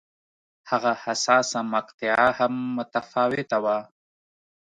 هغه حساسه مقطعه هم متفاوته وه.